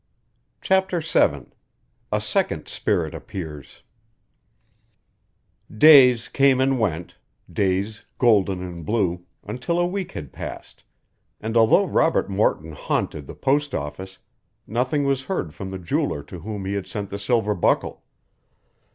CHAPTER VII A SECOND SPIRIT APPEARS Days came and went, days golden and blue, until a week had passed, and although Robert Morton haunted the post office, nothing was heard from the jeweler to whom he had sent the silver buckle.